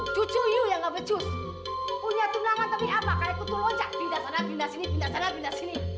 cucu you yang minta maaf sama dia